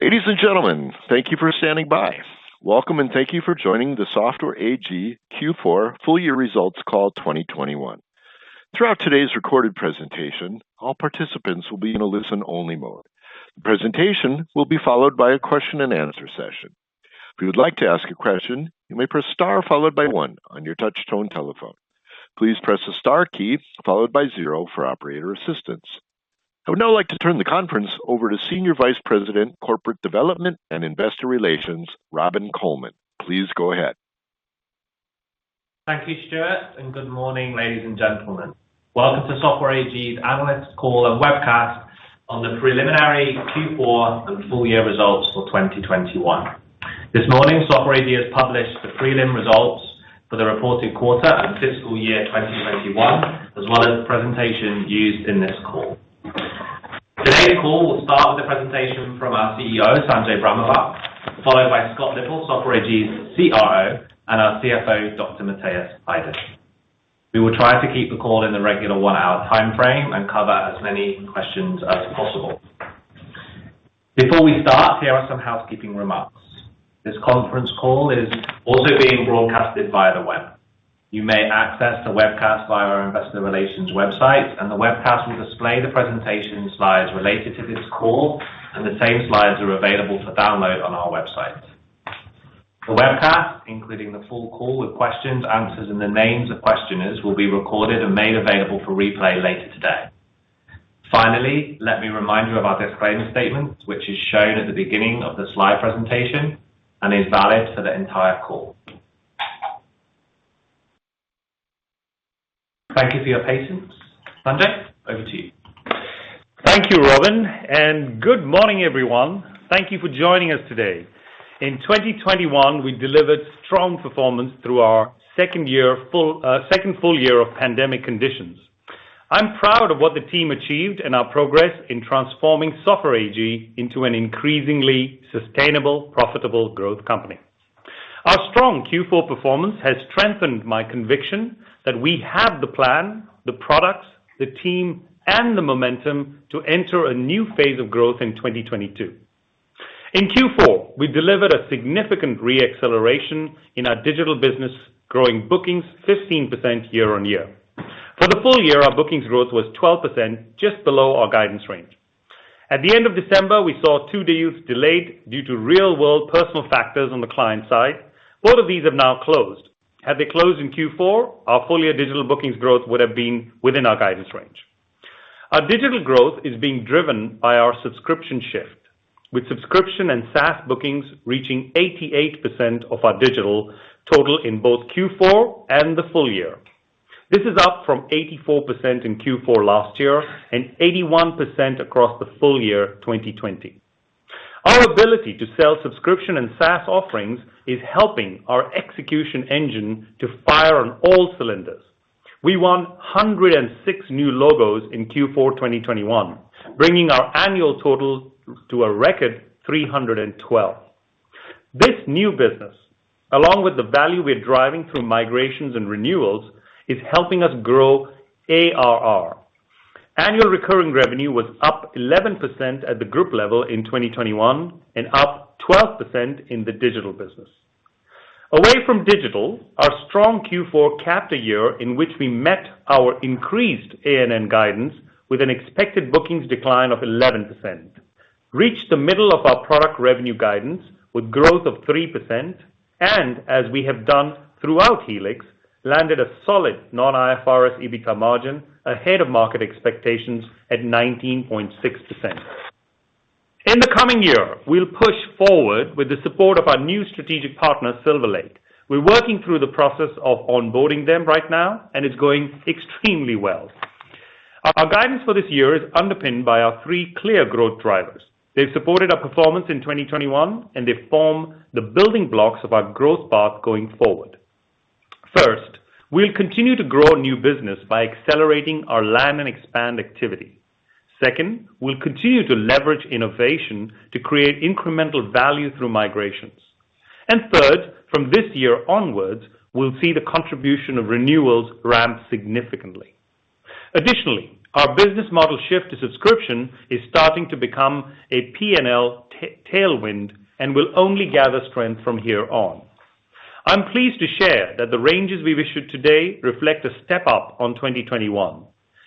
Ladies and gentlemen, thank you for standing by. Welcome and thank you for joining the Software AG Q4 full year results call 2021. Throughout today's recorded presentation, all participants will be in a listen only mode. The presentation will be followed by a question-and-answer session. If you would like to ask a question, you may press star followed by one on your touchtone telephone. Please press the star key followed by zero for operator assistance. I would now like to turn the conference over to Senior Vice President, Corporate Development and Investor Relations, Robin Colman. Please go ahead. Thank you, Stuart, and good morning, ladies and gentlemen. Welcome to Software AG's analyst call and webcast on the preliminary Q4 and full year results for 2021. This morning, Software AG has published the prelim results for the reported quarter and fiscal year 2021, as well as the presentation used in this call. Today's call will start with a presentation from our CEO, Sanjay Brahmawar, followed by Scott Little, Software AG's CRO, and our CFO, Dr. Matthias Heiden. We will try to keep the call in the regular one-hour timeframe and cover as many questions as possible. Before we start, here are some housekeeping remarks. This conference call is also being broadcasted via the web. You may access the webcast via our investor relations website, and the webcast will display the presentation slides related to this call, and the same slides are available for download on our website. The webcast, including the full call with questions, answers, and the names of questioners, will be recorded and made available for replay later today. Finally, let me remind you of our disclaimer statement, which is shown at the beginning of the slide presentation and is valid for the entire call. Thank you for your patience. Sanjay, over to you. Thank you, Robin, and good morning, everyone. Thank you for joining us today. In 2021, we delivered strong performance through our second full year of pandemic conditions. I'm proud of what the team achieved and our progress in transforming Software AG into an increasingly sustainable, profitable growth company. Our strong Q4 performance has strengthened my conviction that we have the plan, the products, the team, and the momentum to enter a new phase of growth in 2022. In Q4, we delivered a significant re-acceleration in our digital business, growing bookings 15% year-over-year. For the full year, our bookings growth was 12% just below our guidance range. At the end of December, we saw two deals delayed due to real-world personal factors on the client side. Both of these have now closed. Had they closed in Q4, our full year digital bookings growth would have been within our guidance range. Our digital growth is being driven by our subscription shift, with subscription and SaaS bookings reaching 88% of our digital total in both Q4 and the full year. This is up from 84% in Q4 last year and 81% across the full year 2020. Our ability to sell subscription and SaaS offerings is helping our execution engine to fire on all cylinders. We won 106 new logos in Q4 2021, bringing our annual total to a record 312. This new business, along with the value we're driving through migrations and renewals, is helping us grow ARR. Annual recurring revenue was up 11% at the group level in 2021 and up 12% in the digital business. Away from digital, our strong Q4 capped a year in which we met our increased A&N guidance with an expected bookings decline of 11%, reached the middle of our product revenue guidance with growth of 3%, and as we have done throughout Helix, landed a solid non-IFRS EBITDA margin ahead of market expectations at 19.6%. In the coming year, we'll push forward with the support of our new strategic partner, Silver Lake. We're working through the process of onboarding them right now, and it's going extremely well. Our guidance for this year is underpinned by our three clear growth drivers. They've supported our performance in 2021, and they form the building blocks of our growth path going forward. First, we'll continue to grow new business by accelerating our land and expand activity. Second, we'll continue to leverage innovation to create incremental value through migrations. Third, from this year onwards, we'll see the contribution of renewals ramp significantly. Additionally, our business model shift to subscription is starting to become a P&L tailwind and will only gather strength from here on. I'm pleased to share that the ranges we've issued today reflect a step up on 2021.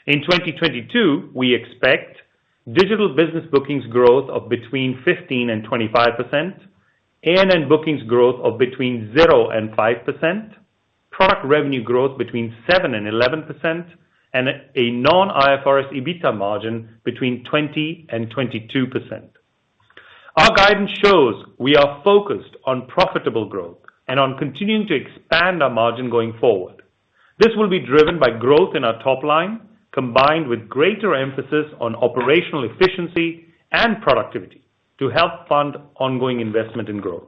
In 2022, we expect digital business bookings growth of between 15% and 25%, A&N bookings growth of between 0% and 5%, product revenue growth between 7% and 11%, and a non-IFRS EBITDA margin between 20% and 22%. Our guidance shows we are focused on profitable growth and on continuing to expand our margin going forward. This will be driven by growth in our top line, combined with greater emphasis on operational efficiency and productivity to help fund ongoing investment and growth.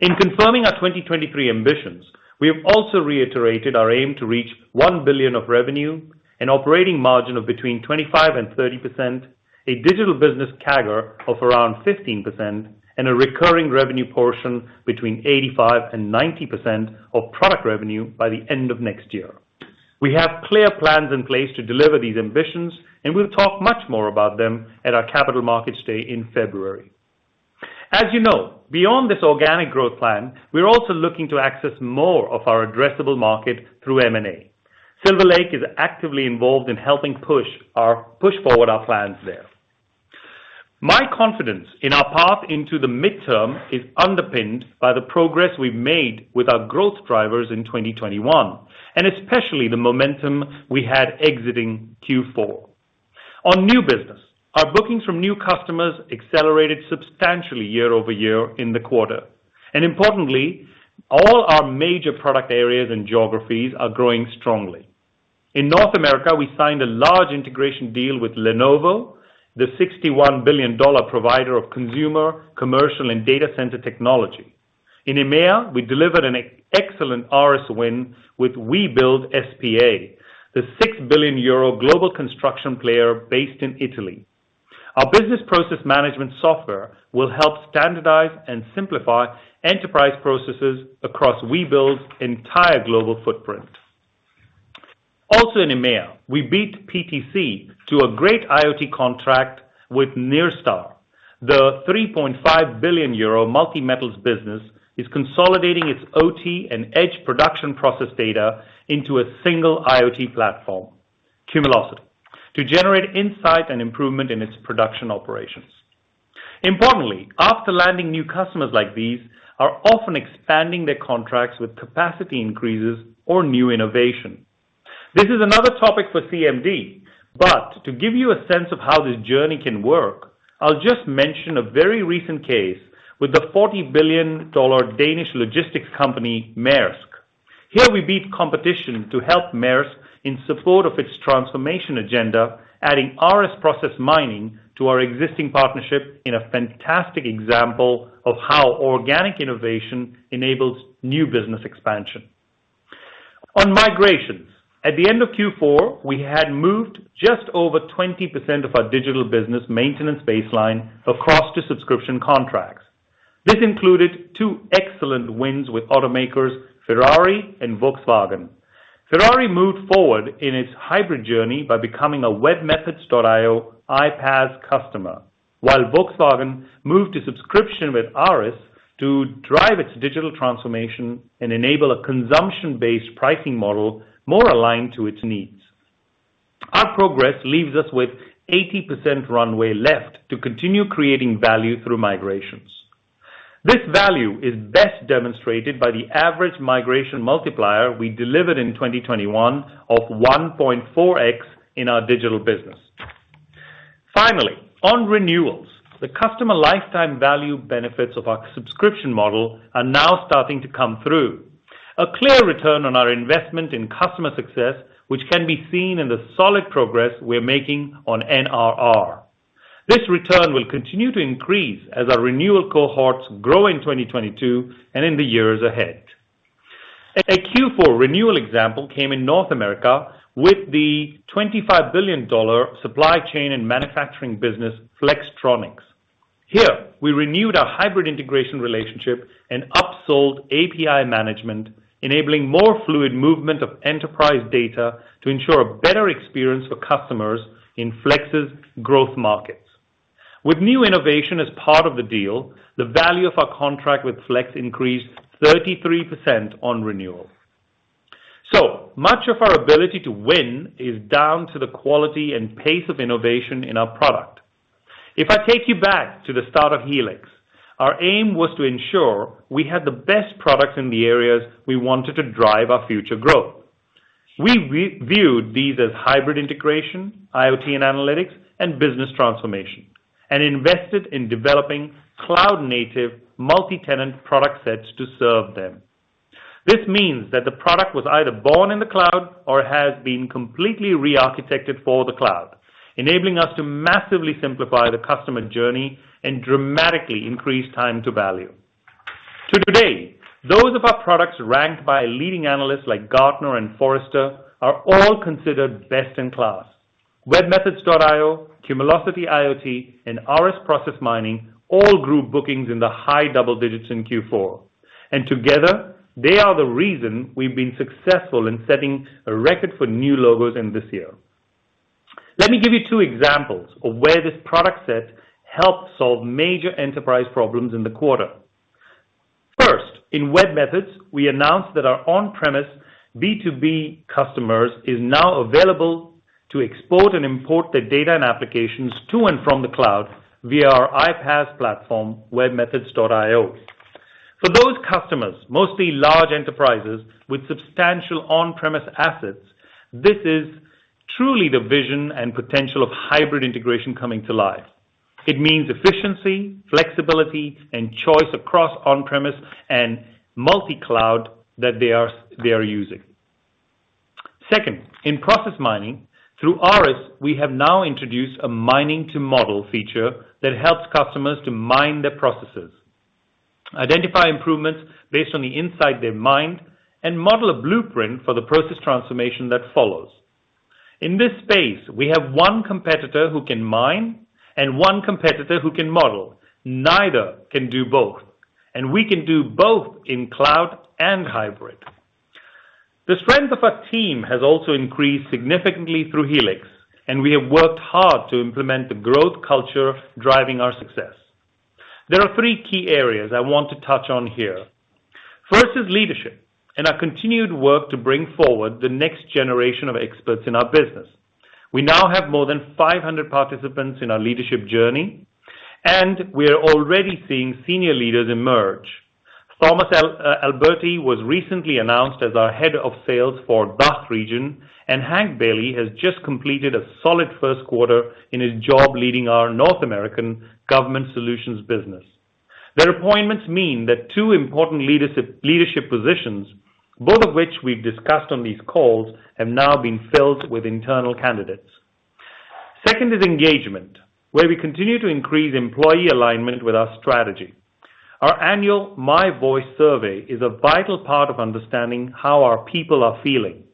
In confirming our 2023 ambitions, we have also reiterated our aim to reach 1 billion of revenue, an operating margin of between 25% and 30%, a digital business CAGR of around 15%, and a recurring revenue portion between 85% and 90% of product revenue by the end of next year. We have clear plans in place to deliver these ambitions, and we'll talk much more about them at our Capital Markets Day in February. As you know, beyond this organic growth plan, we're also looking to access more of our addressable market through M&A. Silver Lake is actively involved in helping push forward our plans there. My confidence in our path into the midterm is underpinned by the progress we've made with our growth drivers in 2021, and especially the momentum we had exiting Q4. On new business, our bookings from new customers accelerated substantially year-over-year in the quarter. Importantly, all our major product areas and geographies are growing strongly. In North America, we signed a large integration deal with Lenovo, the $61 billion provider of consumer, commercial, and data center technology. In EMEA, we delivered an excellent ARIS win with Webuild S.p.A., the 6 billion euro global construction player based in Italy. Our business process management software will help standardize and simplify enterprise processes across Webuild's entire global footprint. Also in EMEA, we beat PTC to a great IoT contract with Nyrstar. The 3.5 billion euro multi-metals business is consolidating its OT and edge production process data into a single IoT platform, Cumulocity, to generate insight and improvement in its production operations. Importantly, after landing new customers like these are often expanding their contracts with capacity increases or new innovation. This is another topic for CMD, but to give you a sense of how this journey can work, I'll just mention a very recent case with the $40 billion Danish logistics company, Maersk. Here we beat competition to help Maersk in support of its transformation agenda, adding ARIS Process Mining to our existing partnership in a fantastic example of how organic innovation enables new business expansion. On migrations, at the end of Q4, we had moved just over 20% of our digital business maintenance baseline across to subscription contracts. This included two excellent wins with automakers Ferrari and Volkswagen. Ferrari moved forward in its hybrid journey by becoming a webMethods.io iPaaS customer. While Volkswagen moved to subscription with ARIS to drive its digital transformation and enable a consumption-based pricing model more aligned to its needs. Our progress leaves us with 80% runway left to continue creating value through migrations. This value is best demonstrated by the average migration multiplier we delivered in 2021 of 1.4x in our digital business. Finally, on renewals, the customer lifetime value benefits of our subscription model are now starting to come through, a clear return on our investment in customer success, which can be seen in the solid progress we're making on NRR. This return will continue to increase as our renewal cohorts grow in 2022 and in the years ahead. A Q4 renewal example came in North America with the $25 billion supply chain and manufacturing business Flex. Here, we renewed our hybrid integration relationship and upsold API management, enabling more fluid movement of enterprise data to ensure a better experience for customers in Flex's growth markets. With new innovation as part of the deal, the value of our contract with Flex increased 33% on renewal. Much of our ability to win is down to the quality and pace of innovation in our product. If I take you back to the start of Helix, our aim was to ensure we had the best products in the areas we wanted to drive our future growth. We viewed these as hybrid integration, IoT and analytics, and business transformation, and invested in developing cloud-native multi-tenant product sets to serve them. This means that the product was either born in the cloud or has been completely re-architected for the cloud, enabling us to massively simplify the customer journey and dramatically increase time to value. To date, those of our products ranked by leading analysts like Gartner and Forrester are all considered best in class. webMethods.io, Cumulocity IoT, and ARIS Process Mining all grew bookings in the high double digits in Q4, and together they are the reason we've been successful in setting a record for new logos in this year. Let me give you two examples of where this product set helped solve major enterprise problems in the quarter. First, in webMethods, we announced that our on-premise B2B customers are now available to export and import their data and applications to and from the cloud via our iPaaS platform, webMethods.io. For those customers, mostly large enterprises with substantial on-premise assets, this is truly the vision and potential of hybrid integration coming to life. It means efficiency, flexibility, and choice across on-premise and multi-cloud that they are using. Second, in process mining, through ARIS, we have now introduced a mining to model feature that helps customers to mine their processes, identify improvements based on the insight they mined, and model a blueprint for the process transformation that follows. In this space, we have one competitor who can mine and one competitor who can model. Neither can do both, and we can do both in cloud and hybrid. The strength of our team has also increased significantly through Helix, and we have worked hard to implement the growth culture driving our success. There are three key areas I want to touch on here. First is leadership, and our continued work to bring forward the next generation of experts in our business. We now have more than 500 participants in our leadership journey, and we are already seeing senior leaders emerge. Thomas Eymer was recently announced as our head of sales for DACH Region, and Hank Bailey has just completed a solid first quarter in his job leading our North American Government Solutions business. Their appointments mean that two important leadership positions, both of which we've discussed on these calls, have now been filled with internal candidates. Second is engagement, where we continue to increase employee alignment with our strategy. Our annual My Voice survey is a vital part of understanding how our people are feeling.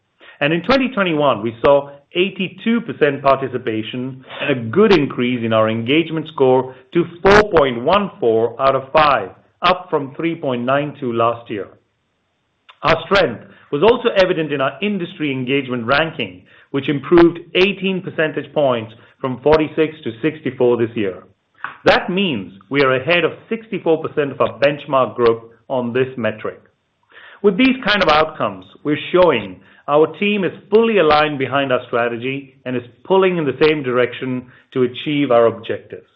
In 2021, we saw 82% participation and a good increase in our engagement score to 4.14 out of five, up from 3.92 last year. Our strength was also evident in our industry engagement ranking, which improved 18 percentage points from 46 to 64 this year. That means we are ahead of 64% of our benchmark group on this metric. With these kind of outcomes, we're showing our team is fully aligned behind our strategy and is pulling in the same direction to achieve our objectives.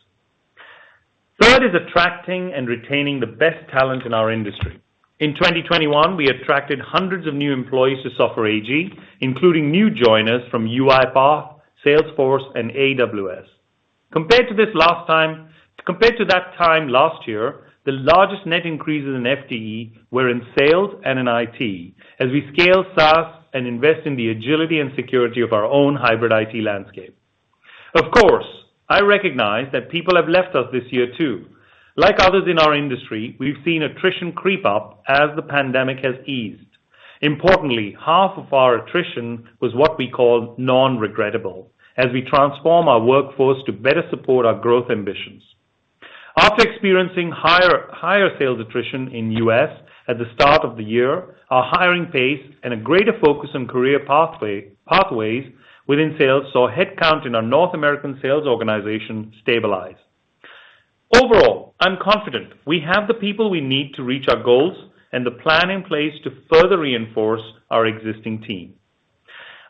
Third is attracting and retaining the best talent in our industry. In 2021, we attracted hundreds of new employees to Software AG, including new joiners from UiPath, Salesforce, and AWS. Compared to that time last year, the largest net increases in FTE were in sales and in IT as we scale SaaS and invest in the agility and security of our own hybrid IT landscape. Of course, I recognize that people have left us this year, too. Like others in our industry, we've seen attrition creep up as the pandemic has eased. Importantly, half of our attrition was what we call non-regrettable as we transform our workforce to better support our growth ambitions. After experiencing higher sales attrition in U.S. at the start of the year, our hiring pace and a greater focus on career pathways within sales saw headcount in our North American sales organization stabilize. Overall, I'm confident we have the people we need to reach our goals and the plan in place to further reinforce our existing team.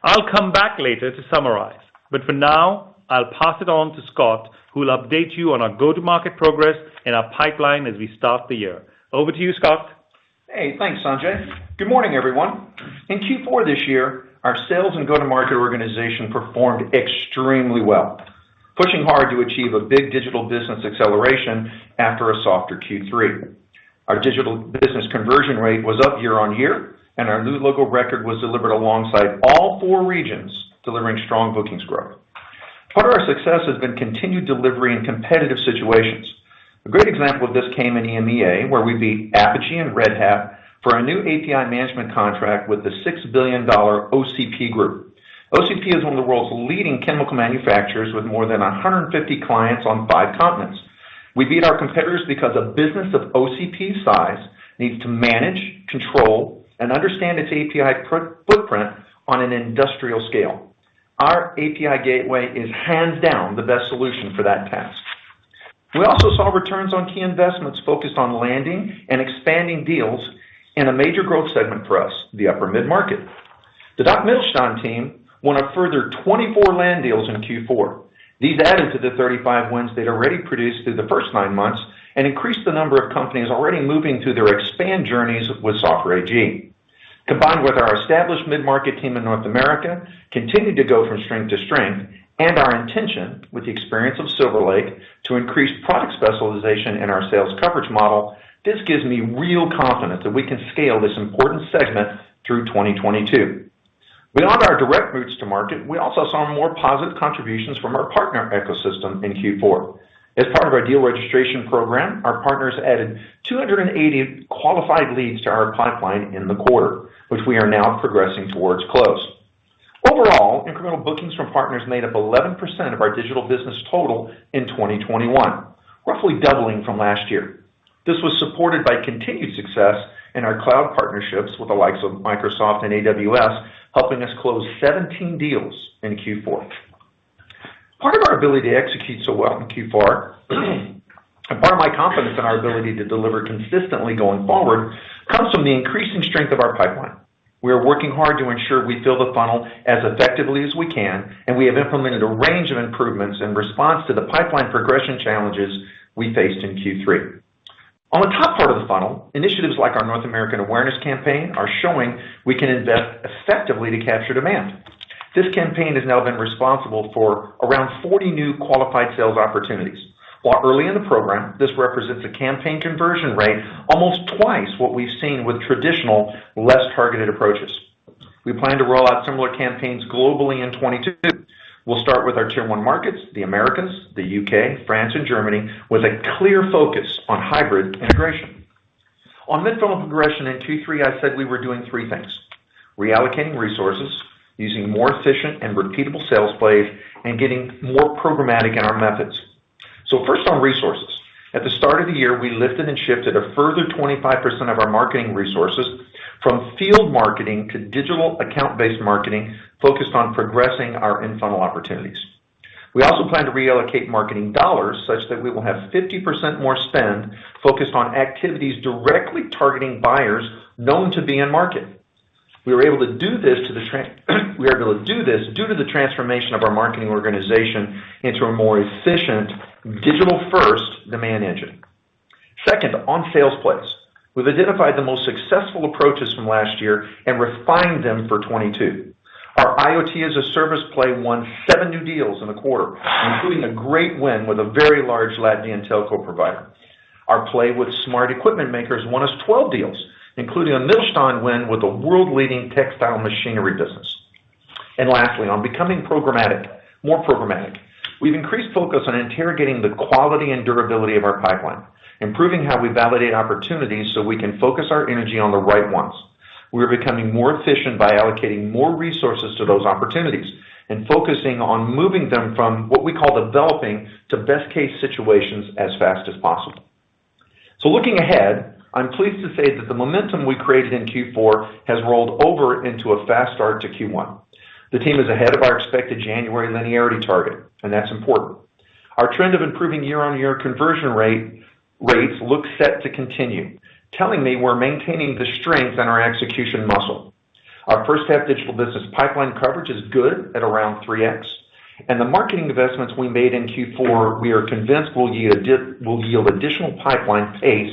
I'll come back later to summarize, but for now, I'll pass it on to Scott, who will update you on our go-to-market progress and our pipeline as we start the year. Over to you, Scott. Hey. Thanks, Sanjay. Good morning, everyone. In Q4 this year, our sales and go-to-market organization performed extremely well, pushing hard to achieve a big digital business acceleration after a softer Q3. Our digital business conversion rate was up year-on-year, and our new logo record was delivered alongside all four regions delivering strong bookings growth. Part of our success has been continued delivery in competitive situations. A great example of this came in EMEA, where we beat Apigee and Red Hat for a new API management contract with the $6 billion OCP Group. OCP Group is one of the world's leading chemical manufacturers with more than 150 clients on five continents. We beat our competitors because a business of OCP size needs to manage, control, and understand its API footprint on an industrial scale. Our API gateway is hands down the best solution for that task. We also saw returns on key investments focused on landing and expanding deals in a major growth segment for us, the upper mid-market. The DACH Mittelstand team won a further 24 land deals in Q4. These added to the 35 wins they'd already produced through the first nine months and increased the number of companies already moving through their expand journeys with Software AG. Combined with our established mid-market team in North America, continued to go from strength to strength, and our intention with the experience of Silver Lake to increase product specialization in our sales coverage model, this gives me real confidence that we can scale this important segment through 2022. Beyond our direct routes to market, we also saw more positive contributions from our partner ecosystem in Q4. As part of our deal registration program, our partners added 280 qualified leads to our pipeline in the quarter, which we are now progressing towards close. Overall, incremental bookings from partners made up 11% of our digital business total in 2021, roughly doubling from last year. This was supported by continued success in our cloud partnerships with the likes of Microsoft and AWS, helping us close 17 deals in Q4. Part of our ability to execute so well in Q4, and part of my confidence in our ability to deliver consistently going forward, comes from the increasing strength of our pipeline. We are working hard to ensure we fill the funnel as effectively as we can, and we have implemented a range of improvements in response to the pipeline progression challenges we faced in Q3. On the top part of the funnel, initiatives like our North American awareness campaign are showing we can invest effectively to capture demand. This campaign has now been responsible for around 40 new qualified sales opportunities. While early in the program, this represents a campaign conversion rate almost twice what we've seen with traditional, less targeted approaches. We plan to roll out similar campaigns globally in 2022. We'll start with our tier-one markets, the Americas, the U.K., France, and Germany, with a clear focus on hybrid integration. On mid funnel progression in 2023, I said we were doing three things, reallocating resources, using more efficient and repeatable sales plays, and getting more programmatic in our methods. First on resources. At the start of the year, we lifted and shifted a further 25% of our marketing resources from field marketing to digital account-based marketing focused on progressing our in-funnel opportunities. We also plan to reallocate marketing dollars such that we will have 50% more spend focused on activities directly targeting buyers known to be in market. We are able to do this due to the transformation of our marketing organization into a more efficient digital first demand engine. Second, on sales plays. We've identified the most successful approaches from last year and refined them for 2022. Our IoT as a service play won seven new deals in the quarter, including a great win with a very large Latvian telco provider. Our play with smart equipment makers won us 12 deals, including a milestone win with a world-leading textile machinery business. Lastly, on becoming programmatic, more programmatic. We've increased focus on interrogating the quality and durability of our pipeline, improving how we validate opportunities so we can focus our energy on the right ones. We are becoming more efficient by allocating more resources to those opportunities and focusing on moving them from what we call developing to best case situations as fast as possible. Looking ahead, I'm pleased to say that the momentum we created in Q4 has rolled over into a fast start to Q1. The team is ahead of our expected January linearity target, and that's important. Our trend of improving year-on-year conversion rate look set to continue, telling me we're maintaining the strength in our execution muscle. Our first half digital business pipeline coverage is good at around 3x, and the marketing investments we made in Q4, we are convinced will yield additional pipeline pace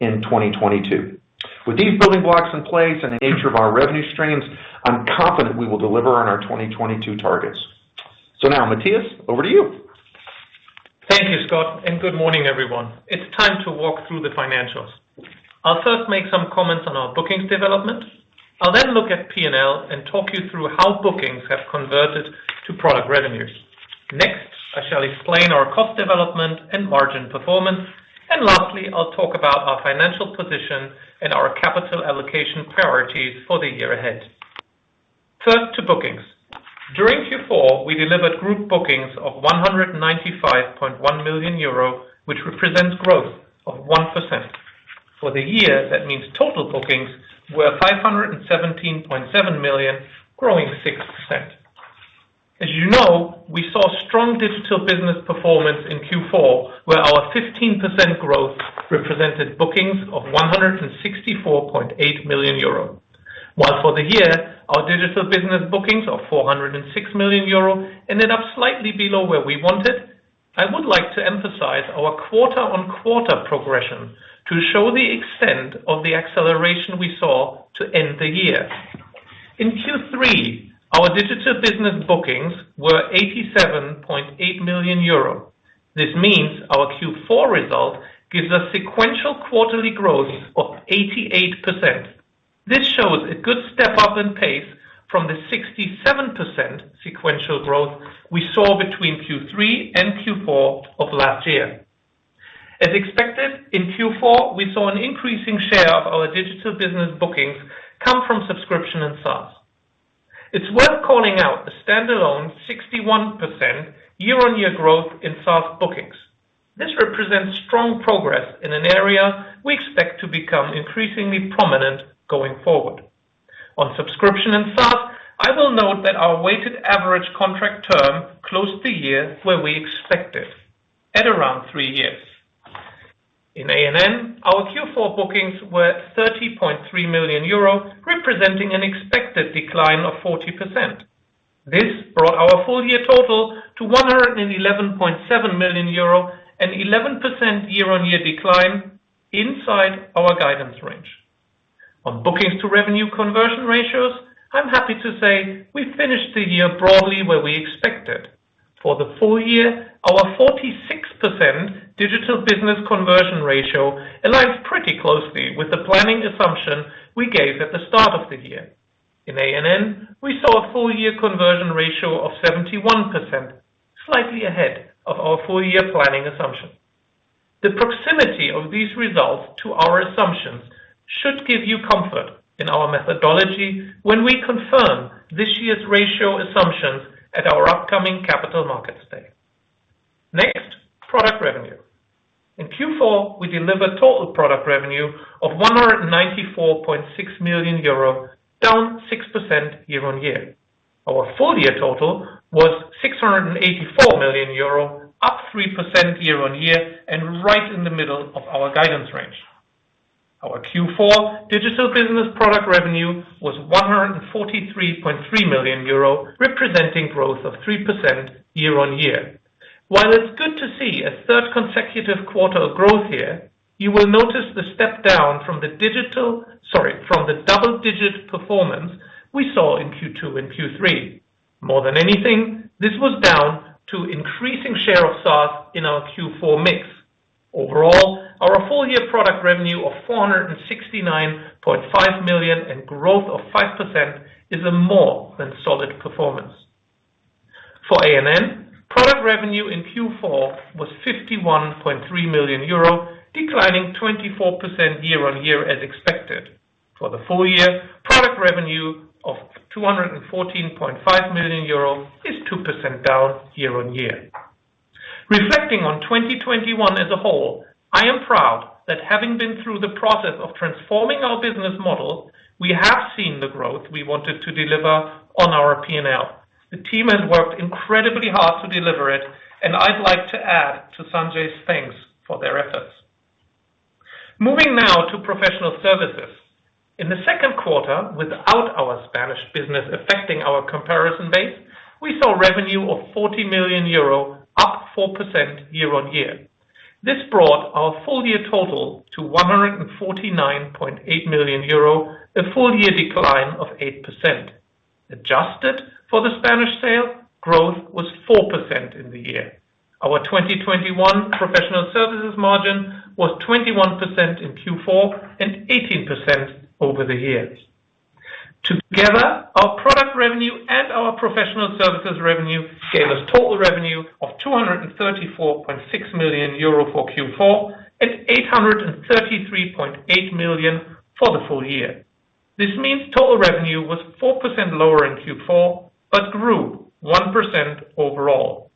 in 2022. With these building blocks in place and the nature of our revenue streams, I'm confident we will deliver on our 2022 targets. Now, Matthias, over to you. Thank you, Scott, and good morning, everyone. It's time to walk through the financials. I'll first make some comments on our bookings development. I'll then look at P&L and talk you through how bookings have converted to product revenues. Next, I shall explain our cost development and margin performance. Lastly, I'll talk about our financial position and our capital allocation priorities for the year ahead. First, to bookings. During Q4, we delivered group bookings of 195.1 million euro, which represents growth of 1%. For the year, that means total bookings were 517.7 million, growing 6%. As you know, we saw strong digital business performance in Q4, where our 15% growth represented bookings of 164.8 million euro. While for the year, our digital business bookings of 406 million euro ended up slightly below where we wanted, I would like to emphasize our quarter-on-quarter progression to show the extent of the acceleration we saw to end the year. In Q3, our digital business bookings were 87.8 million euro. This means our Q4 result gives a sequential quarterly growth of 88%. This shows a good step up in pace from the 67% sequential growth we saw between Q3 and Q4 of last year. As expected, in Q4, we saw an increasing share of our digital business bookings come from subscription and SaaS. It's worth calling out a standalone 61% year-on-year growth in SaaS bookings. This represents strong progress in an area we expect to become increasingly prominent going forward. On subscription and SaaS, I will note that our weighted average contract term closed the year where we expected, at around three years. In A&N, our Q4 bookings were 30.3 million euro, representing an expected decline of 40%. This brought our full year total to 111.7 million euro, an 11% year-on-year decline inside our guidance range. On bookings to revenue conversion ratios, I'm happy to say we finished the year broadly where we expected. For the full year, our 46% digital business conversion ratio aligns pretty closely with the planning assumption we gave at the start of the year. In A&N, we saw a full year conversion ratio of 71%, slightly ahead of our full year planning assumption. The proximity of these results to our assumptions should give you comfort in our methodology when we confirm this year's ratio assumptions at our upcoming Capital Markets Day. Next, product revenue. In Q4, we delivered total product revenue of 194.6 million euro, down 6% year-on-year. Our full year total was 684 million euro, up 3% year-on-year and right in the middle of our guidance range. Our Q4 digital business product revenue was 143.3 million euro, representing growth of 3% year-on-year. While it's good to see a third consecutive quarter of growth here, you will notice the step down from the double-digit performance we saw in Q2 and Q3. More than anything, this was down to increasing share of SaaS in our Q4 mix. Overall, our full year product revenue of 469.5 million and growth of 5% is a more than solid performance. For A&N, product revenue in Q4 was 51.3 million euro, declining 24% year-on-year as expected. For the full year, product revenue of 214.5 million euro is 2% down year-on-year. Reflecting on 2021 as a whole, I am proud that having been through the process of transforming our business model, we have seen the growth we wanted to deliver on our P&L. The team has worked incredibly hard to deliver it, and I'd like to add to Sanjay's thanks for their efforts. Moving now to professional services. In the second quarter, without our Spanish business affecting our comparison base, we saw revenue of 40 million euro, up 4% year-on-year. This brought our full year total to 149.8 million euro, a full year decline of 8%. Adjusted for the Spanish sale, growth was 4% in the year. Our 2021 professional services margin was 21% in Q4, and 18% over the years. Together, our product revenue and our professional services revenue gave us total revenue of 234.6 million euro for Q4, and 833.8 million for the full year. This means total revenue was 4% lower in Q4, but grew 1% overall.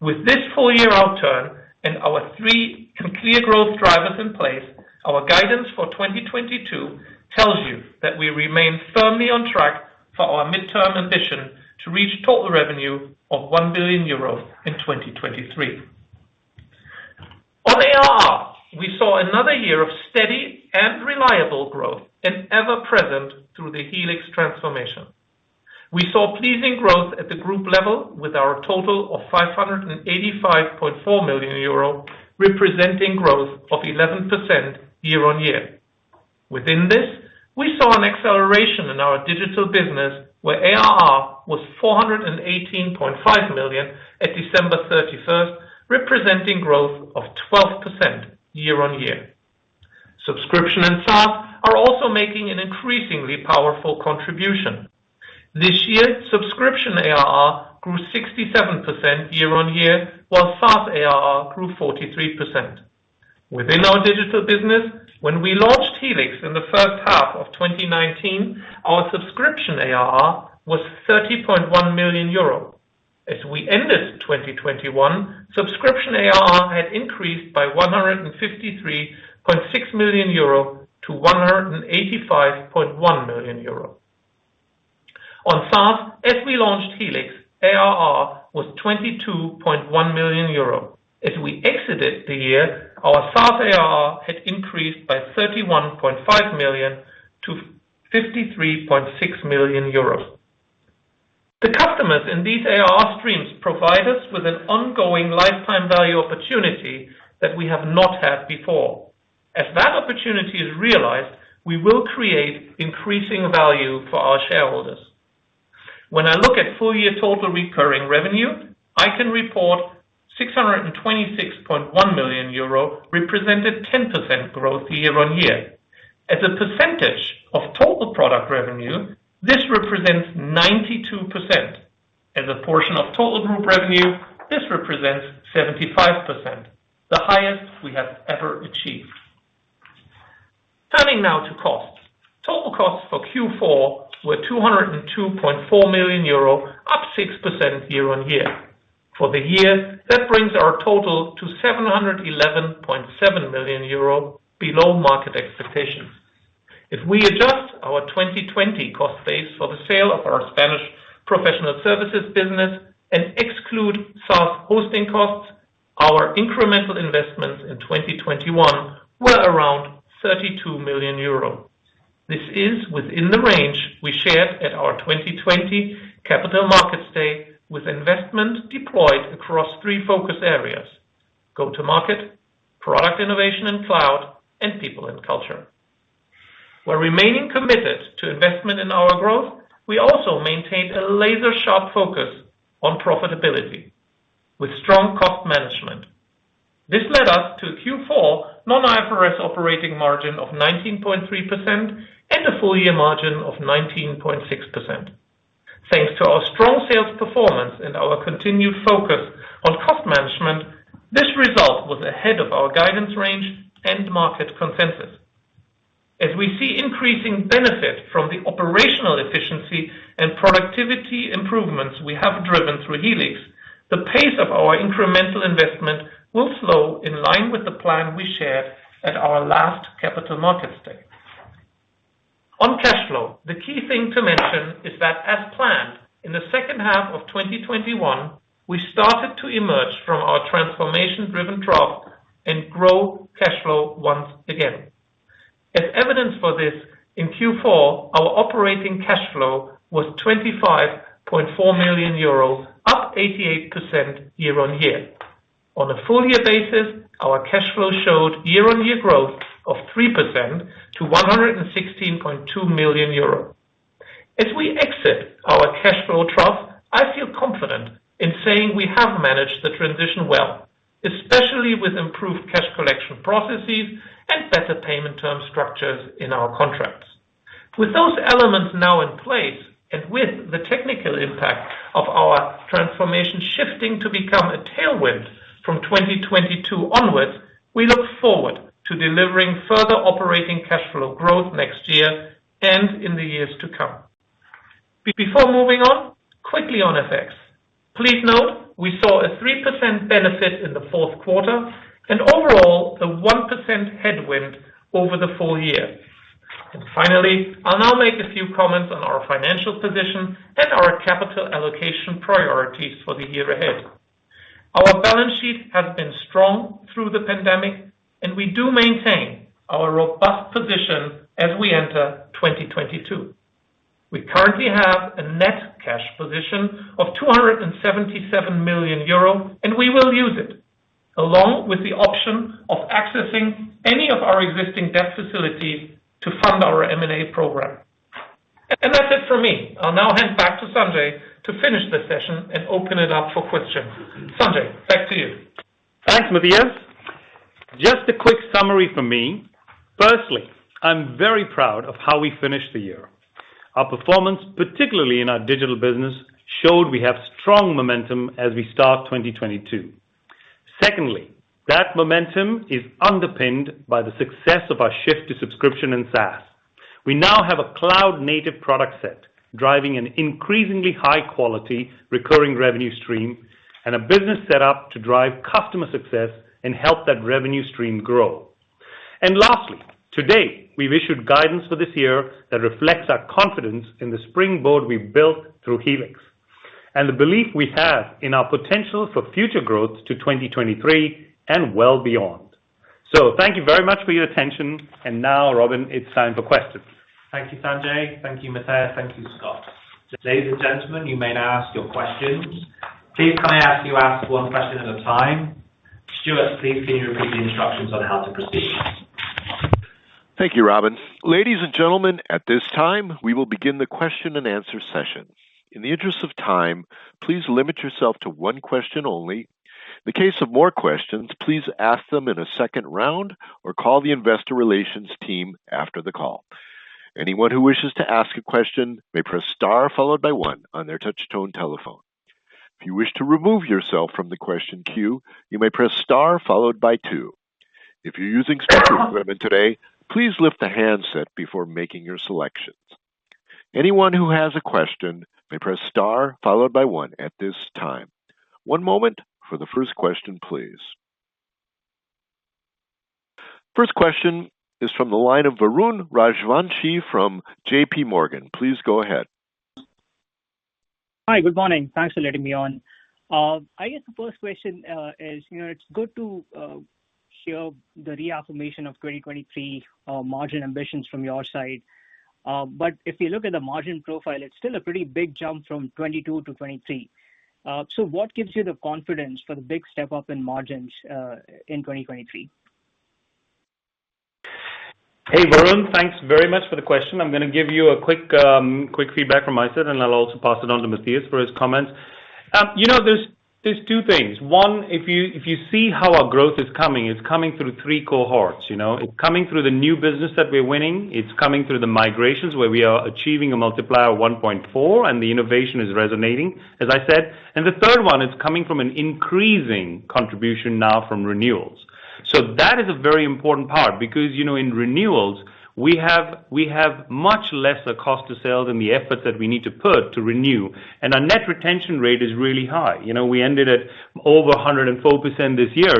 With this full year outturn and our three clear growth drivers in place, our guidance for 2022 tells you that we remain firmly on track for our midterm ambition to reach total revenue of 1 billion euros in 2023. On ARR, we saw another year of steady and reliable growth and ever-present through the Helix transformation. We saw pleasing growth at the group level with our total of 585.4 million euro, representing growth of 11% year-on-year. Within this, we saw an acceleration in our digital business, where ARR was 418.5 million at December 31, representing growth of 12% year-on-year. Subscription and SaaS are also making an increasingly powerful contribution. This year, subscription ARR grew 67% year-on-year, while SaaS ARR grew 43%. Within our digital business, when we launched Helix in the first half of 2019, our subscription ARR was 30.1 million euro. As we ended 2021, subscription ARR had increased by 153.6 million euro to 185.1 million euro. On SaaS, as we launched Helix, ARR was 22.1 million euro. As we exited the year, our SaaS ARR had increased by 31.5 million to 53.6 million euros. The customers in these ARR streams provide us with an ongoing lifetime value opportunity that we have not had before. As that opportunity is realized, we will create increasing value for our shareholders. When I look at full year total recurring revenue, I can report 626.1 million euro, represented 10% growth year-on-year. As a percentage of total product revenue, this represents 92%. As a portion of total group revenue, this represents 75%, the highest we have ever achieved. Turning now to costs. Total costs for Q4 were 202.4 million euro, up 6% year-on-year. For the year, that brings our total to 711.7 million euro below market expectations. If we adjust our 2020 cost base for the sale of our Spanish professional services business and exclude SaaS hosting costs, our incremental investments in 2021 were around 32 million euro. This is within the range we shared at our 2020 Capital Markets Day, with investment deployed across three focus areas, go-to-market, product innovation and cloud, and people and culture. We're remaining committed to investment in our growth. We also maintain a laser-sharp focus on profitability with strong cost management. This led us to a Q4 non-IFRS operating margin of 19.3% and a full year margin of 19.6%. Thanks to our strong sales performance and our continued focus on cost management, this result was ahead of our guidance range and market consensus. As we see increasing benefit from the operational efficiency and productivity improvements we have driven through Helix, the pace of our incremental investment will slow in line with the plan we shared at our last Capital Markets Day. On cash flow, the key thing to mention is that as planned, in the second half of 2021, we started to emerge from our transformation-driven trough and grow cash flow once again. As evidence for this, in Q4, our operating cash flow was 25.4 million euros, up 88% year-on-year. On a full year basis, our cash flow showed year-on-year growth of 3% to 116.2 million euro. As we exit our cash flow trough, I feel confident in saying we have managed the transition well, especially with improved cash collection processes and better payment term structures in our contracts. With those elements now in place and with the technical impact of our transformation shifting to become a tailwind from 2022 onwards, we look forward to delivering further operating cash flow growth next year and in the years to come. Before moving on, quickly on effects. Please note we saw a 3% benefit in the fourth quarter and overall a 1% headwind over the full year. Finally, I'll now make a few comments on our financial position and our capital allocation priorities for the year ahead. Our balance sheet has been strong through the pandemic, and we do maintain our robust position as we enter 2022. We currently have a net cash position of 277 million euro, and we will use it, along with the option of accessing any of our existing debt facilities to fund our M&A program. That's it for me. I'll now hand back to Sanjay to finish the session and open it up for questions. Sanjay, back to you. Thanks, Matthias. Just a quick summary from me. Firstly, I'm very proud of how we finished the year. Our performance, particularly in our digital business, showed we have strong momentum as we start 2022. Secondly, that momentum is underpinned by the success of our shift to subscription and SaaS. We now have a cloud-native product set driving an increasingly high quality recurring revenue stream and a business set up to drive customer success and help that revenue stream grow. Lastly, today, we've issued guidance for this year that reflects our confidence in the springboard we built through Helix. The belief we have in our potential for future growth to 2023 and well beyond. Thank you very much for your attention. Now, Robin, it's time for questions. Thank you, Sanjay. Thank you, Matthias. Thank you, Scott. Ladies and gentlemen, you may now ask your questions. Please can I ask you to ask one question at a time? Stuart, please can you repeat the instructions on how to proceed. Thank you, Robin. Ladies and gentlemen, at this time, we will begin the question-and-answer session. In the interest of time, please limit yourself to one question only. In the case of more questions, please ask them in a second round or call the investor relations team after the call. Anyone who wishes to ask a question may press star followed by one on their touch tone telephone. If you wish to remove yourself from the question queue, you may press star followed by two. If you're using speaker phone today, please lift the handset before making your selections. Anyone who has a question may press star followed by one at this time. One moment for the first question, please. First question is from the line of Varun Rajwanshi from JPMorgan. Please go ahead. Hi, good morning. Thanks for letting me on. I guess the first question is, you know, it's good to hear the reaffirmation of 2023 margin ambitions from your side. If you look at the margin profile, it's still a pretty big jump from 2022 to 2023. What gives you the confidence for the big step up in margins in 2023? Hey, Varun, thanks very much for the question. I'm gonna give you a quick feedback from my side, and I'll also pass it on to Matthias for his comments. You know, there's two things. One, if you see how our growth is coming, it's coming through three cohorts, you know. It's coming through the new business that we're winning. It's coming through the migrations where we are achieving a multiplier 1.4, and the innovation is resonating, as I said. The third one is coming from an increasing contribution now from renewals. That is a very important part because, you know, in renewals, we have much lesser cost of sales than the efforts that we need to put to renew. Our net retention rate is really high. You know, we ended at over 104% this year.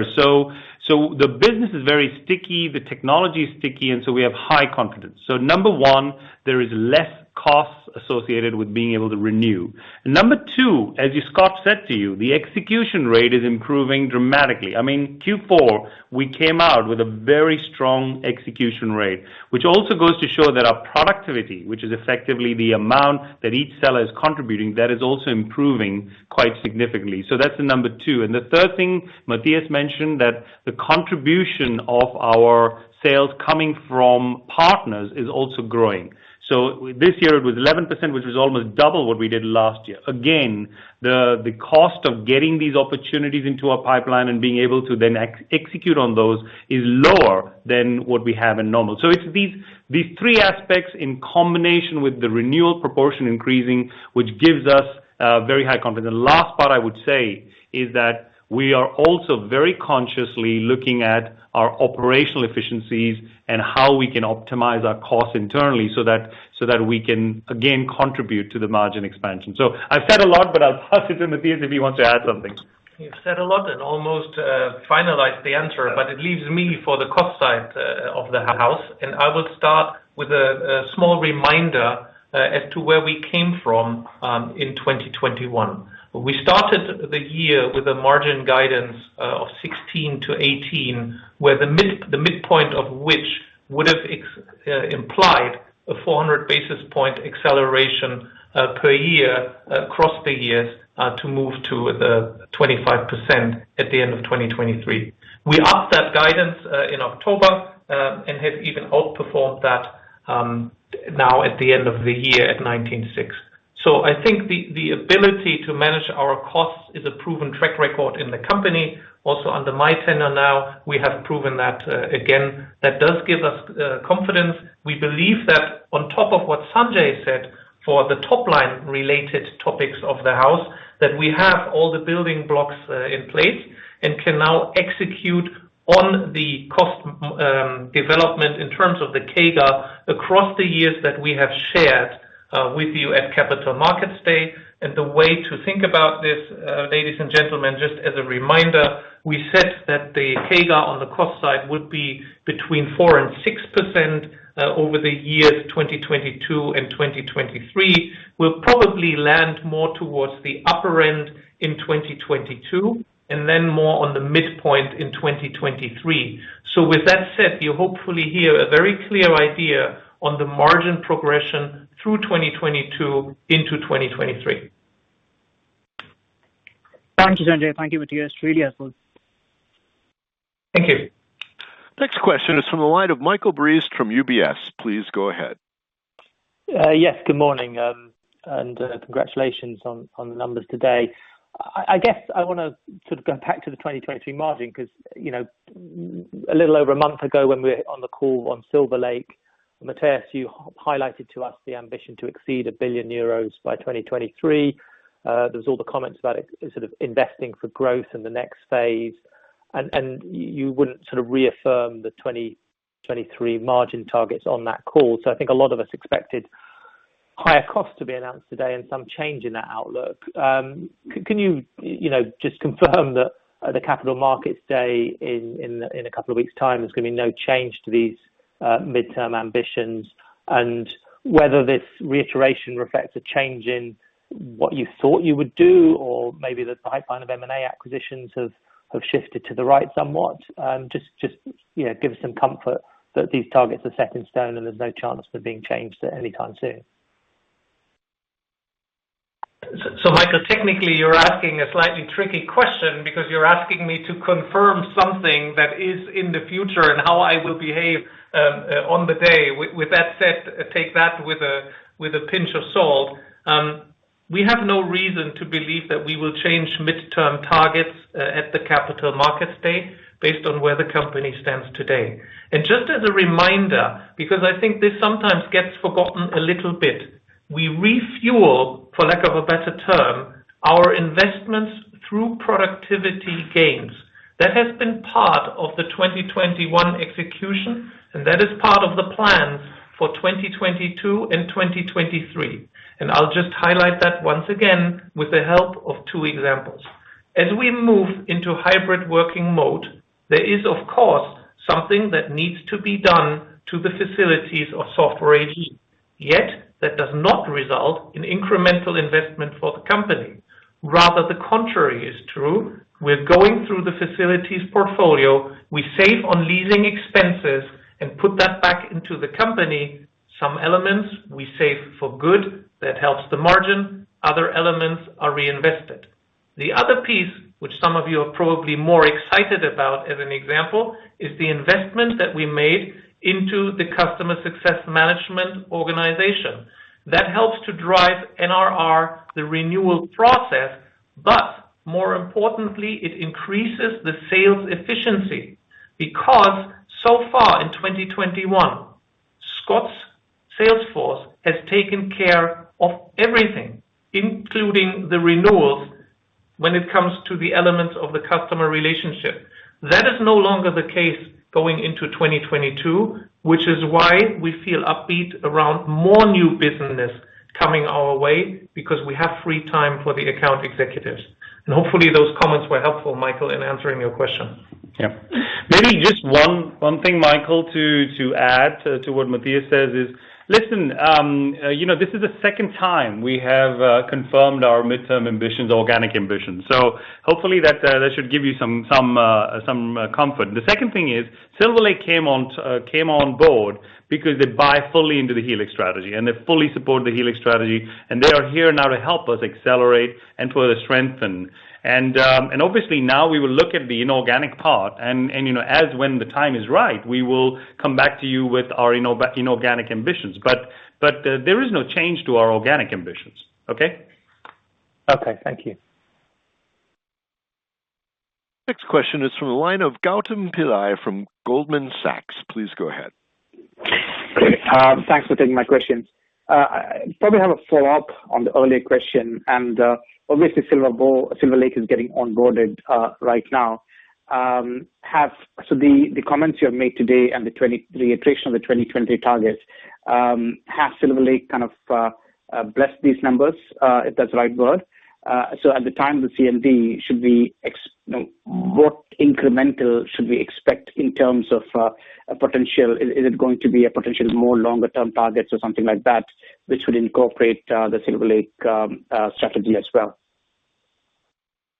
The business is very sticky, the technology is sticky, and we have high confidence. Number one, there is less costs associated with being able to renew. Number two, as Scott said to you, the execution rate is improving dramatically. I mean, Q4, we came out with a very strong execution rate, which also goes to show that our productivity, which is effectively the amount that each seller is contributing, that is also improving quite significantly. That's the number two. The third thing, Matthias mentioned that the contribution of our sales coming from partners is also growing. This year it was 11%, which is almost double what we did last year. Again, the cost of getting these opportunities into our pipeline and being able to then execute on those is lower than what we have in normal. It's these three aspects in combination with the renewal proportion increasing, which gives us very high confidence. The last part I would say is that we are also very consciously looking at our operational efficiencies and how we can optimize our costs internally so that we can again contribute to the margin expansion. I've said a lot, but I'll pass it to Matthias if he wants to add something. You've said a lot and almost finalized the answer, but it leaves me for the cost side of the house. I will start with a small reminder as to where we came from in 2021. We started the year with a margin guidance of 16%-18%, where the midpoint of which would have implied a 400 basis point acceleration per year across the years to move to the 25% at the end of 2023. We upped that guidance in October and have even outperformed that now at the end of the year at 19.6%. I think the ability to manage our costs is a proven track record in the company. Also under my tenure now, we have proven that again, that does give us confidence. We believe that on top of what Sanjay said for the top line related topics of the house, that we have all the building blocks in place and can now execute on the cost development in terms of the CAGR across the years that we have shared with you at Capital Markets Day. The way to think about this, ladies and gentlemen, just as a reminder, we said that the CAGR on the cost side would be between 4% and 6% over the years 2022 and 2023. We'll probably land more towards the upper end in 2022, and then more on the midpoint in 2023. With that said, you hopefully hear a very clear idea on the margin progression through 2022 into 2023. Thank you, Sanjay. Thank you, Matthias, really helpful. Thank you. Next question is from the line of Michael Briest from UBS. Please go ahead. Yes, good morning, and congratulations on the numbers today. I guess I want to sort of go back to the 2023 margin because, you know, a little over a month ago when we were on the call on Silver Lake, Matthias, you highlighted to us the ambition to exceed 1 billion euros by 2023. There was all the comments about it, sort of investing for growth in the next phase. You wouldn't sort of reaffirm the 2023 margin targets on that call. I think a lot of us expected higher costs to be announced today and some change in that outlook. Can you know, just confirm that, at the Capital Markets Day in a couple of weeks time, there's going to be no change to these midterm ambitions? Whether this reiteration reflects a change in what you thought you would do or maybe that the pipeline of M&A acquisitions have shifted to the right somewhat? Just, you know, give some comfort that these targets are set in stone, and there's no chance they're being changed anytime soon. Michael, technically you're asking a slightly tricky question because you're asking me to confirm something that is in the future and how I will behave on the day. With that said, take that with a pinch of salt. We have no reason to believe that we will change midterm targets at the Capital Markets Day based on where the company stands today. Just as a reminder, because I think this sometimes gets forgotten a little bit, we refuel, for lack of a better term, our investments through productivity gains. That has been part of the 2021 execution, and that is part of the plans for 2022 and 2023. I'll just highlight that once again with the help of two examples. As we move into hybrid working mode, there is of course something that needs to be done to the facilities of Software AG. Yet that does not result in incremental investment for the company. Rather, the contrary is true. We're going through the facilities portfolio. We save on leasing expenses and put that back into the company. Some elements we save for good that helps the margin, other elements are reinvested. The other piece, which some of you are probably more excited about as an example, is the investment that we made into the customer success management organization. That helps to drive NRR, the renewal process, but more importantly, it increases the sales efficiency. Because so far in 2021, Scott's sales force has taken care of everything, including the renewals when it comes to the elements of the customer relationship. That is no longer the case going into 2022, which is why we feel upbeat around more new business coming our way because we have free time for the account executives. Hopefully those comments were helpful, Michael, in answering your question. Yeah. Maybe just one thing, Michael, to add to what Matthias says is, listen, you know, this is the second time we have confirmed our midterm ambitions, organic ambitions. Hopefully that should give you some comfort. The second thing is, Silver Lake came on board because they buy fully into the Helix strategy, and they fully support the Helix strategy, and they are here now to help us accelerate and further strengthen. Obviously now we will look at the inorganic part and, you know, as when the time is right, we will come back to you with our inorganic ambitions. There is no change to our organic ambitions. Okay? Okay. Thank you. Next question is from the line of Gautam Pillai from Goldman Sachs. Please go ahead. Great. Thanks for taking my question. I probably have a follow-up on the earlier question, and obviously Silver Lake is getting onboarded right now. So the comments you have made today and the reiteration of the 2020 targets has Silver Lake kind of blessed these numbers, if that's the right word. So at the time of the CMD, you know, what incremental should we expect in terms of a potential. Is it going to be a potential more longer term targets or something like that, which would incorporate the Silver Lake strategy as well?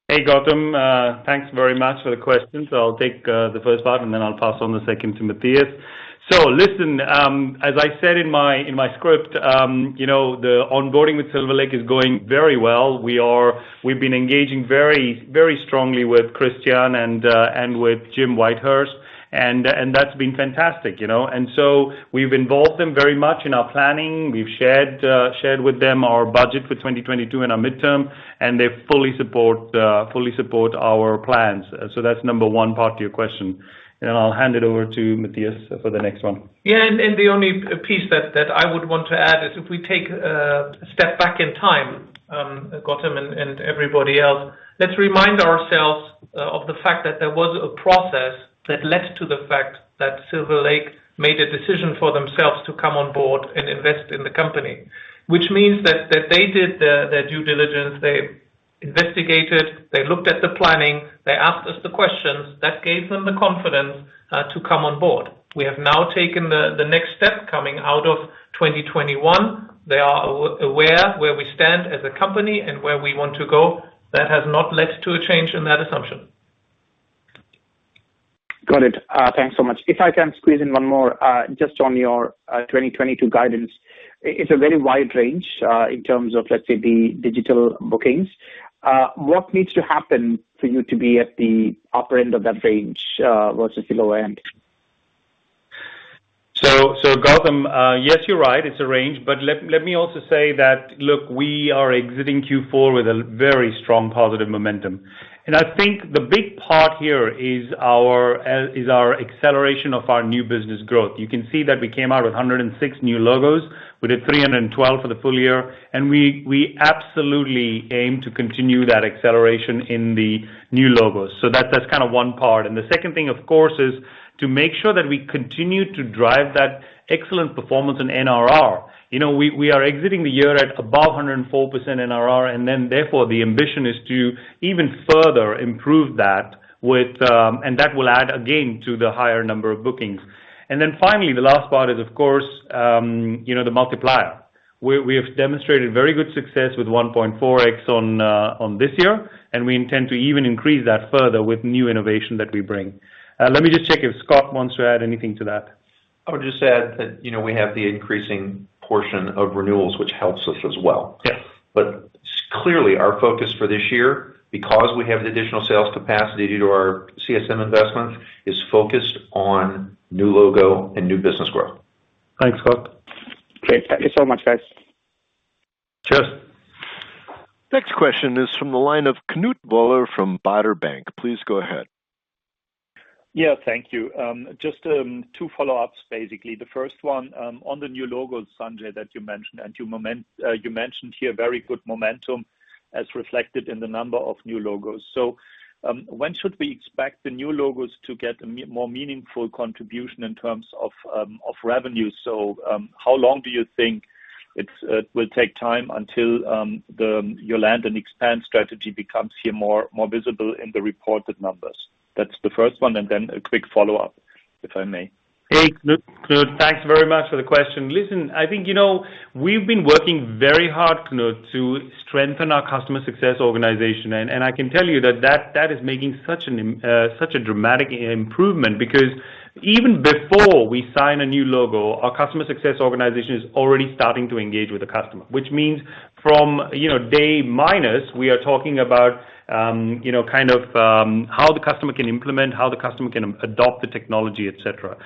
Hey, Gautam. Thanks very much for the question. I'll take the first part, and then I'll pass on the second to Matthias. Listen, as I said in my script, you know, the onboarding with Silver Lake is going very well. We've been engaging very, very strongly with Christian and with Jim Whitehurst, and that's been fantastic, you know. We've involved them very much in our planning. We've shared with them our budget for 2022 and our midterm, and they fully support our plans. That's number one part to your question. I'll hand it over to Matthias for the next one. Yeah. The only piece that I would want to add is if we take a step back in time, Gautam and everybody else, let's remind ourselves of the fact that there was a process that led to the fact that Silver Lake made a decision for themselves to come on board and invest in the company, which means that they did their due diligence. They investigated, they looked at the planning, they asked us the questions that gave them the confidence to come on board. We have now taken the next step coming out of 2021. They are aware where we stand as a company and where we want to go. That has not led to a change in that assumption. Got it. Thanks so much. If I can squeeze in one more, just on your 2022 guidance. It's a very wide range, in terms of, let's say the digital bookings. What needs to happen for you to be at the upper end of that range, versus the lower end? Gautam, yes, you're right, it's a range. Let me also say that, look, we are exiting Q4 with a very strong positive momentum. I think the big part here is our acceleration of our new business growth. You can see that we came out with 106 new logos. We did 312 for the full year. We absolutely aim to continue that acceleration in the new logos. That's kind of one part. The second thing, of course, is to make sure that we continue to drive that excellent performance in NRR. You know, we are exiting the year at above 104% NRR, and therefore, the ambition is to even further improve that. That will add again to the higher number of bookings. Finally, the last part is of course, you know, the multiplier. We have demonstrated very good success with 1.4x in this year, and we intend to even increase that further with new innovation that we bring. Let me just check if Scott wants to add anything to that. I would just add that, you know, we have the increasing portion of renewals, which helps us as well. Yeah. Clearly our focus for this year, because we have the additional sales capacity due to our CSM investment, is focused on new logo and new business growth. Thanks, Scott. Great. Thank you so much, guys. Cheers. Next question is from the line of Knut Woller from Baader Bank. Please go ahead. Thank you. Just two follow-ups, basically. The first one on the new logos, Sanjay, that you mentioned, and you mentioned here very good momentum as reflected in the number of new logos. When should we expect the new logos to more meaningful contribution in terms of of revenue? How long do you think it will take time until your land and expand strategy becomes here more visible in the reported numbers? That's the first one. Then a quick follow-up, if I may. Hey, Knut. Knut, thanks very much for the question. Listen, I think, you know, we've been working very hard, Knut, to strengthen our customer success organization. I can tell you that is making such a dramatic improvement because even before we sign a new logo, our customer success organization is already starting to engage with the customer, which means from, you know, day minus, we are talking about, you know, kind of, how the customer can implement, how the customer can adopt the technology, et cetera.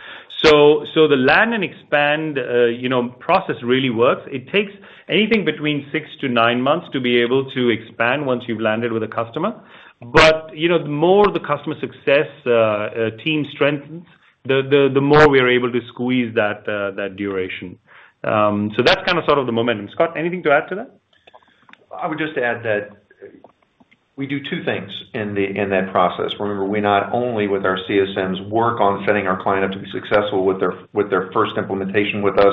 The land and expand, you know, process really works. It takes anything between six to nine months to be able to expand once you've landed with a customer. You know, the more the customer success team strengthens, the more we are able to squeeze that duration. That's kind of sort of the momentum. Scott, anything to add to that? I would just add that we do two things in the, in that process. Remember, we not only with our CSMs work on setting our client up to be successful with their first implementation with us,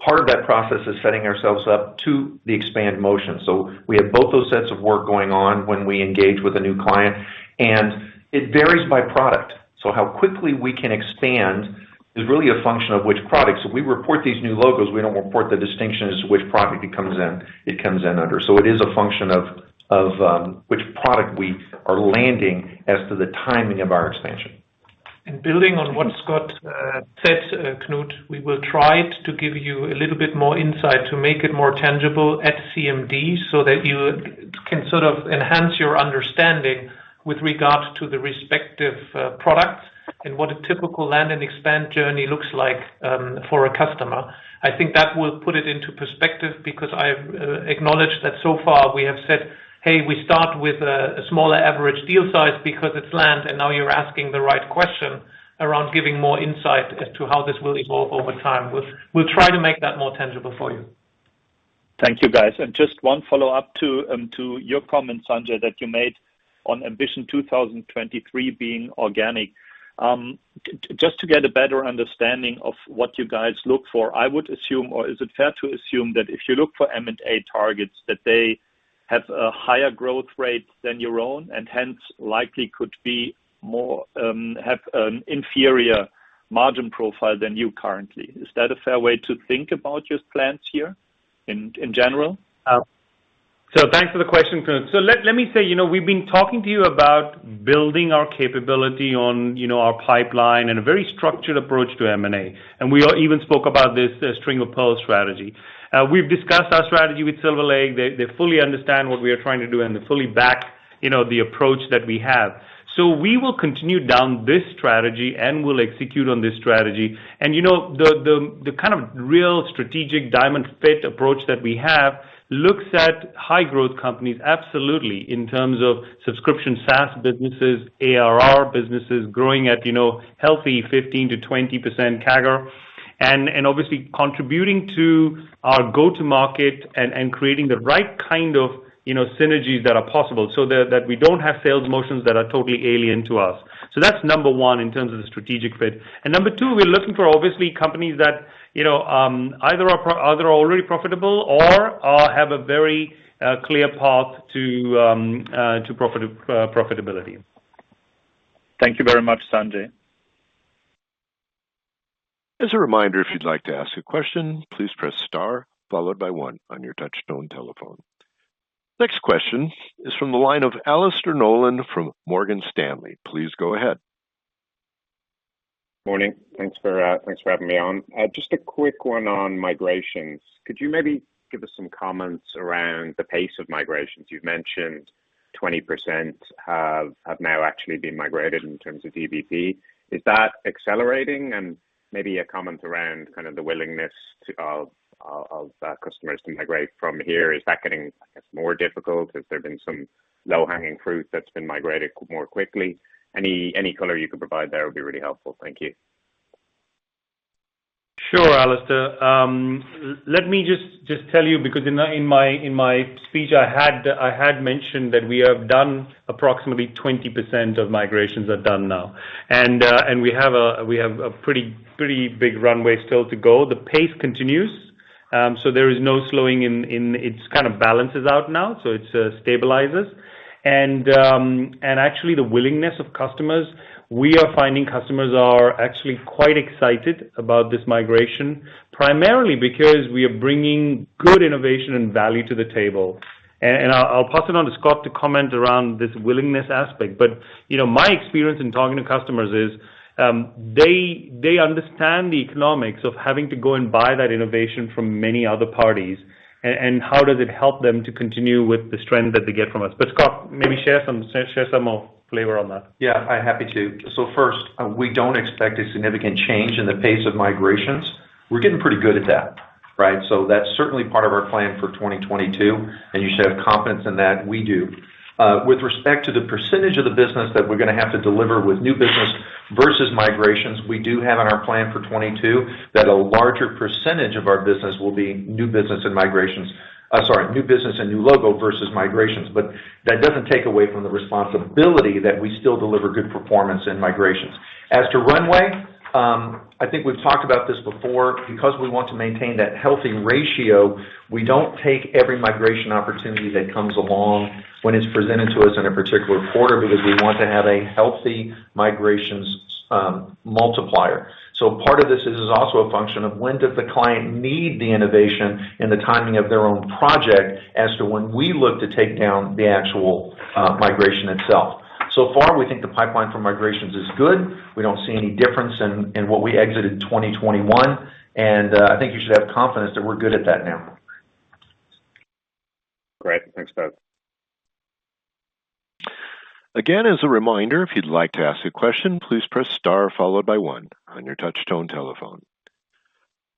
part of that process is setting ourselves up to the expand motion. We have both those sets of work going on when we engage with a new client. It varies by product. How quickly we can expand is really a function of which product. We report these new logos, we don't report the distinction as to which product it comes in, it comes in under. It is a function of which product we are landing as to the timing of our expansion. Building on what Scott said, Knut, we will try to give you a little bit more insight to make it more tangible at CMD so that you can sort of enhance your understanding with regards to the respective products and what a typical land and expand journey looks like for a customer. I think that will put it into perspective because I acknowledge that so far we have said, "Hey, we start with a smaller average deal size because it's land." Now you're asking the right question around giving more insight as to how this will evolve over time. We'll try to make that more tangible for you. Thank you, guys. Just one follow-up to your comment, Sanjay, that you made on Ambition 2023 being organic. Just to get a better understanding of what you guys look for, I would assume, or is it fair to assume that if you look for M&A targets, that they have a higher growth rate than your own, and hence likely could be more, have an inferior margin profile than you currently? Is that a fair way to think about your plans here in general? Thanks for the question, Knut. Let me say, you know, we've been talking to you about building our capability on, you know, our pipeline and a very structured approach to M&A. We even spoke about this, the string of pearls strategy. We've discussed our strategy with Silver Lake. They fully understand what we are trying to do, and they fully back, you know, the approach that we have. We will continue down this strategy and we'll execute on this strategy. You know, the kind of real strategic diamond fit approach that we have looks at high growth companies absolutely in terms of subscription SaaS businesses, ARR businesses growing at, you know, healthy 15%-20% CAGR. Obviously contributing to our go-to market and creating the right kind of synergies that are possible so that we don't have sales motions that are totally alien to us. That's number one in terms of the strategic fit. Number two, we're looking for obviously companies that either are already profitable or have a very clear path to profitability. Thank you very much, Sanjay. As a reminder, if you'd like to ask a question, please press star followed by one on your touchtone telephone. Next question is from the line of Alastair Nolan from Morgan Stanley. Please go ahead. Morning. Thanks for having me on. Just a quick one on migrations. Could you maybe give us some comments around the pace of migrations? You've mentioned 20% have now actually been migrated in terms of DBP. Is that accelerating? Maybe a comment around kind of the willingness of customers to migrate from here. Is that getting, I guess, more difficult? Has there been some low-hanging fruit that's been migrated more quickly? Any color you could provide there would be really helpful. Thank you. Sure, Alastair. Let me just tell you because in my speech, I had mentioned that we have done approximately 20% of migrations are done now. We have a pretty big runway still to go. The pace continues, so there is no slowing in it. It kind of balances out now, so it stabilizes. Actually the willingness of customers, we are finding customers are actually quite excited about this migration, primarily because we are bringing good innovation and value to the table. I'll pass it on to Scott to comment around this willingness aspect. You know, my experience in talking to customers is, they understand the economics of having to go and buy that innovation from many other parties and how does it help them to continue with the strength that they get from us. Scott, maybe share some more flavor on that. Yeah, I'm happy to. First, we don't expect a significant change in the pace of migrations. We're getting pretty good at that, right? That's certainly part of our plan for 2022, and you should have confidence in that. We do. With respect to the percentage of the business that we're gonna have to deliver with new business versus migrations, we do have in our plan for 2022 that a larger percentage of our business will be new business and new logo versus migrations. That doesn't take away from the responsibility that we still deliver good performance in migrations. As to runway, I think we've talked about this before. Because we want to maintain that healthy ratio, we don't take every migration opportunity that comes along when it's presented to us in a particular quarter because we want to have a healthy migrations multiplier. Part of this is also a function of when does the client need the innovation and the timing of their own project as to when we look to take down the actual migration itself. So far, we think the pipeline for migrations is good. We don't see any difference in what we exited 2021, and I think you should have confidence that we're good at that now. Great. Thanks, guys. Again, as a reminder, if you'd like to ask a question, please press star followed by one on your touchtone telephone.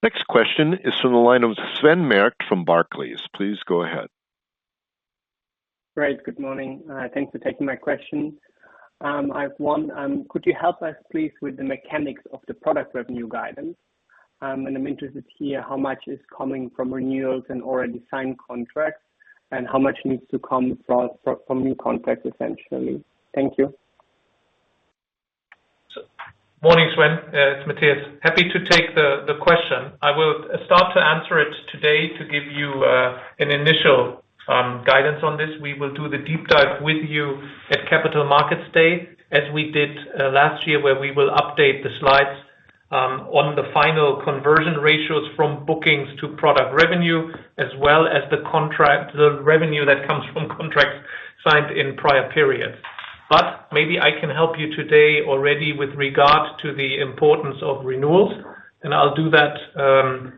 Next question is from the line of Sven Merkt from Barclays. Please go ahead. Great. Good morning. Thanks for taking my question. I have one. Could you help us, please, with the mechanics of the product revenue guidance? I'm interested to hear how much is coming from renewals and already signed contracts and how much needs to come from new contracts, essentially. Thank you. Morning, Sven Merkt. It's Dr. Matthias Heiden. Happy to take the question. I will start to answer it today to give you an initial guidance on this. We will do the deep dive with you at Capital Markets Day, as we did last year, where we will update the slides on the final conversion ratios from bookings to product revenue, as well as the contract revenue that comes from contracts signed in prior periods. Maybe I can help you today already with regard to the importance of renewals, and I'll do that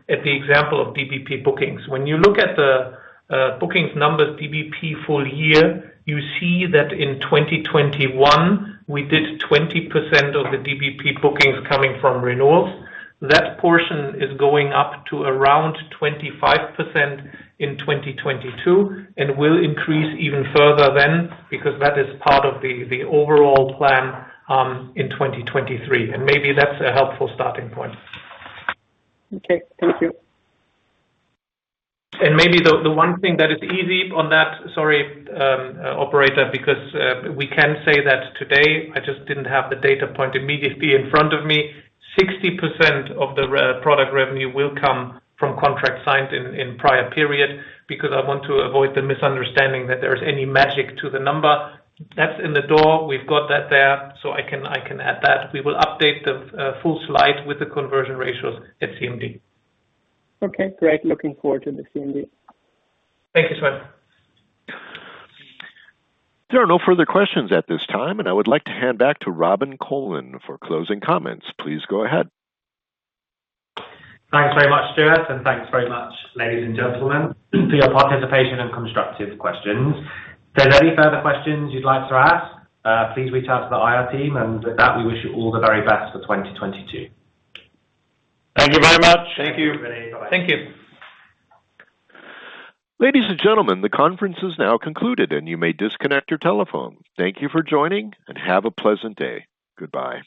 at the example of DBP bookings. When you look at the bookings numbers DBP full year, you see that in 2021, we did 20% of the DBP bookings coming from renewals. That portion is going up to around 25% in 2022 and will increase even further then because that is part of the overall plan in 2023. Maybe that's a helpful starting point. Okay, thank you. Maybe the one thing that is easy on that. Sorry, operator, because we can say that today. I just didn't have the data point immediately in front of me. 60% of the product revenue will come from contracts signed in prior periods because I want to avoid the misunderstanding that there's any magic to the number. That's in the door. We've got that there, so I can add that. We will update the full slide with the conversion ratios at CMD. Okay, great. Looking forward to the CMD. Thank you, Sven. There are no further questions at this time, and I would like to hand back to Robin Colman for closing comments. Please go ahead. Thanks very much, Stuart, and thanks very much, ladies and gentlemen, for your participation and constructive questions. If there's any further questions you'd like to ask, please reach out to the IR team. With that, we wish you all the very best for 2022. Thank you very much. Thank you. Thank you. Bye. Ladies and gentlemen, the conference is now concluded, and you may disconnect your telephone. Thank you for joining, and have a pleasant day. Goodbye.